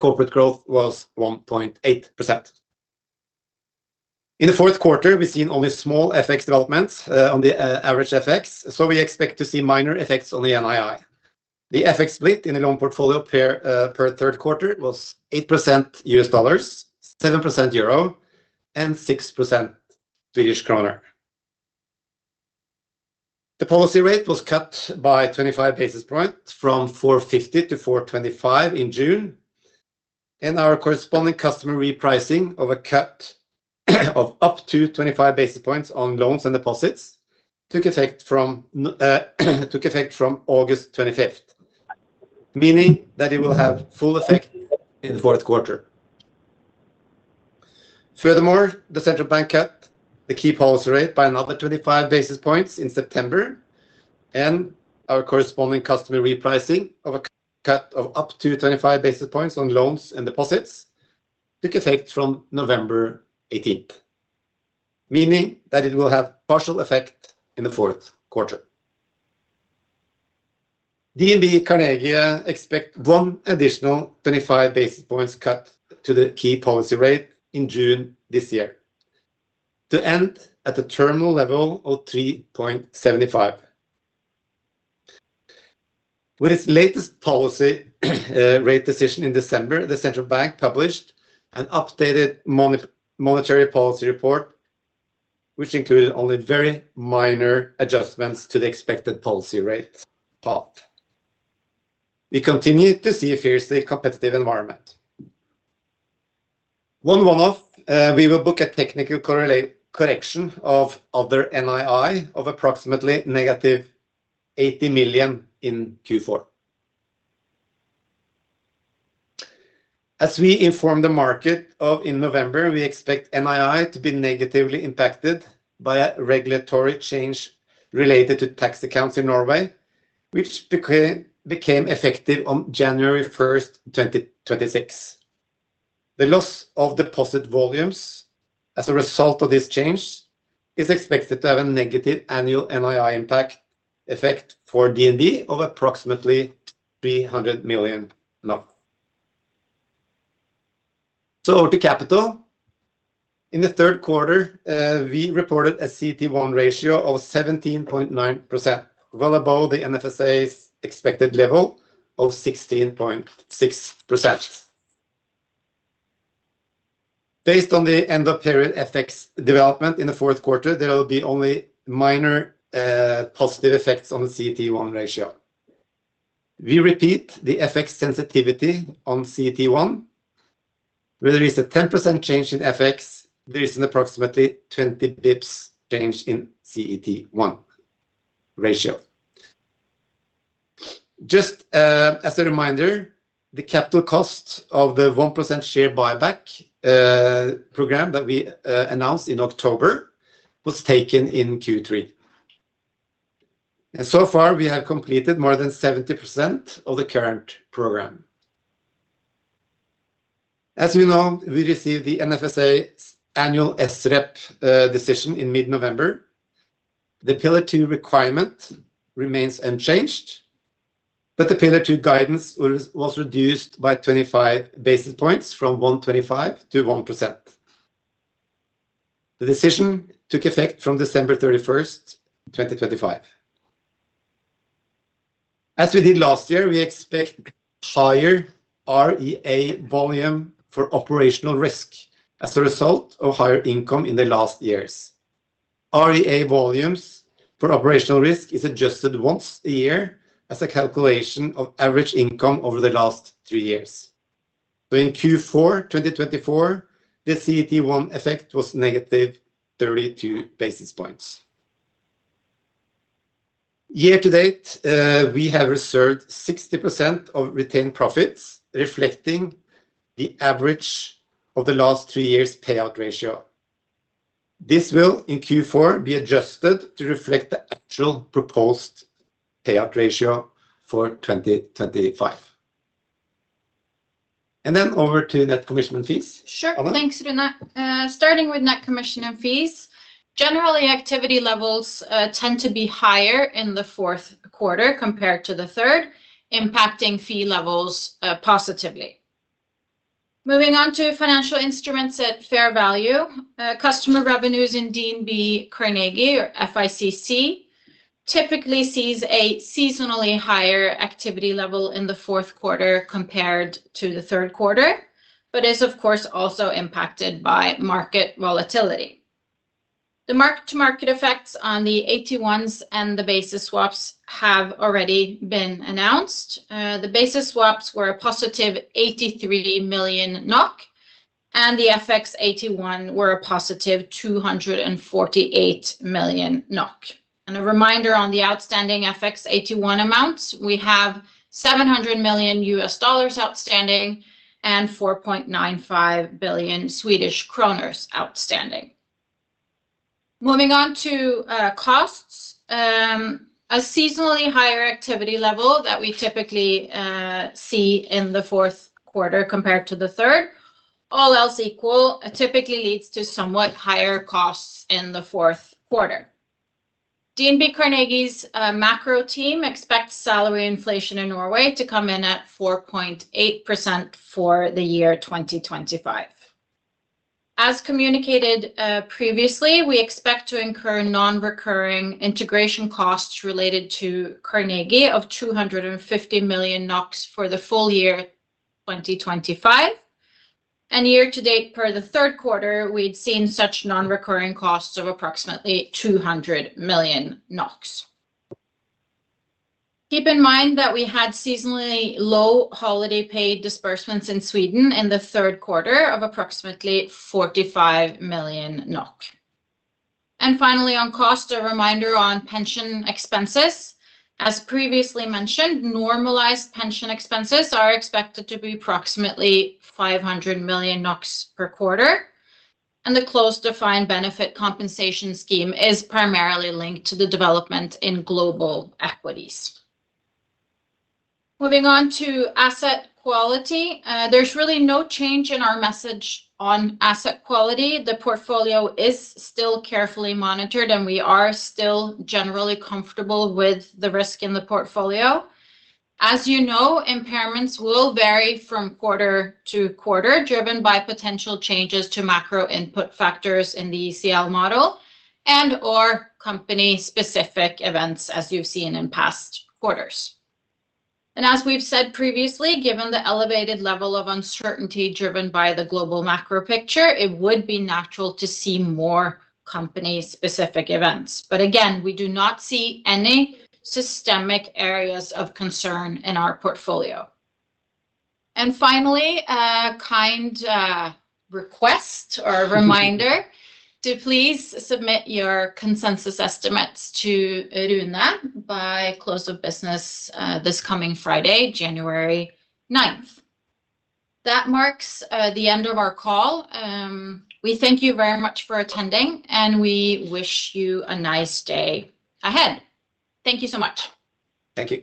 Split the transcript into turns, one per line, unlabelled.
Corporate growth was 1.8%. In the Q4, we've seen only small FX developments on the average FX, so we expect to see minor effects on the NII. The FX split in the loan portfolio per Q3 was 8% U.S. dollars, 7% euro, and 6% Swedish krona. The policy rate was cut by 25 basis points from 450 to 425 in June, and our corresponding customer repricing of a cut of up to 25 basis points on loans and deposits took effect from August 25, meaning that it will have full effect in the Q4. Furthermore, the central bank cut the key policy rate by another 25 basis points in September, and our corresponding customer repricing of a cut of up to 25 basis points on loans and deposits took effect from November 18, meaning that it will have partial effect in the Q4. DNB Carnegie expects one additional 25 basis points cut to the key policy rate in June this year to end at a terminal level of 3.75. With its latest policy rate decision in December, the central bank published an updated monetary policy report, which included only very minor adjustments to the expected policy rate path. We continue to see a fiercely competitive environment. One-off, we will book a technical correction of other NII of approximately negative 80 million NOK in Q4. As we informed the market of in November, we expect NII to be negatively impacted by a regulatory change related to tax accounts in Norway, which became effective on January 1, 2026. The loss of deposit volumes as a result of this change is expected to have a negative annual NII impact effect for DNB of approximately 300 million NOK. To capital, in the Q3, we reported a CET1 ratio of 17.9%, well above the NFSA's expected level of 16.6%. Based on the end-of-period FX development in the Q4, there will be only minor positive effects on the CET1 ratio. We repeat the FX sensitivity on CET1. Whether it's a 10% change in FX, there is an approximately 20 basis points change in CET1 ratio. Just as a reminder, the capital cost of the 1% share buyback program that we announced in October was taken in Q3. So far, we have completed more than 70% of the current program. As we know, we received the NFSA's annual SREP decision in mid-November. The Pillar 2 requirement remains unchanged, but the Pillar 2 guidance was reduced by 25 basis points from 1.25% to 1%. The decision took effect from December 31, 2025. As we did last year, we expect higher REA volume for operational risk as a result of higher income in the last years. REA volumes for operational risk are adjusted once a year as a calculation of average income over the last three years. So, in Q4 2024, the CET1 effect was negative 32 basis points. Year to date, we have reserved 60% of retained profits, reflecting the average of the last three years' payout ratio. This will, in Q4, be adjusted to reflect the actual proposed payout ratio for 2025. And then over to net commission and fees. Sure, thanks, Rune. Starting with net commission and fees, generally, activity levels tend to be higher in the Q4 compared to the Q3, impacting fee levels positively. Moving on to financial instruments at fair value, customer revenues in DNB Carnegie, or FICC, typically see a seasonally higher activity level in the Q4 compared to the Q3, but is, of course, also impacted by market volatility. The mark-to-market effects on the AT1s and the basis swaps have already been announced. The basis swaps were a positive 83 million NOK, and the FX AT1 were a positive 248 million NOK, and a reminder on the outstanding FX AT1 amounts, we have $700 million outstanding and 4.95 billion Swedish kronor outstanding. Moving on to costs, a seasonally higher activity level that we typically see in the Q4 compared to the third, all else equal, typically leads to somewhat higher costs in the Q4. DNB Carnegie's macro team expects salary inflation in Norway to come in at 4.8% for the year 2025. As communicated previously, we expect to incur non-recurring integration costs related to Carnegie of 250 million NOK for the full year 2025, and year to date, per the Q3, we'd seen such non-recurring costs of approximately 200 million NOK. Keep in mind that we had seasonally low holiday-paid disbursements in Sweden in the Q3 of approximately 45 million NOK, and finally, on cost, a reminder on pension expenses. As previously mentioned, normalized pension expenses are expected to be approximately 500 million NOK per quarter, and the closed defined-benefit compensation scheme is primarily linked to the development in global equities. Moving on to asset quality, there's really no change in our message on asset quality. The portfolio is still carefully monitored, and we are still generally comfortable with the risk in the portfolio. As you know, impairments will vary from quarter to quarter, driven by potential changes to macro input factors in the ECL model and/or company-specific events, as you've seen in past quarters, and as we've said previously, given the elevated level of uncertainty driven by the global macro picture, it would be natural to see more company-specific events, but again, we do not see any systemic areas of concern in our portfolio. Finally, a kind request or a reminder to please submit your consensus estimates to Rune by close of business this coming Friday, January 9. That marks the end of our call. We thank you very much for attending, and we wish you a nice day ahead. Thank you so much. Thank you.